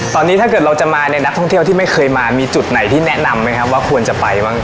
ตอนนี้ถ้าเกิดเราจะมาเนี่ยนักท่องเที่ยวที่ไม่เคยมามีจุดไหนที่แนะนำไหมครับว่าควรจะไปบ้าง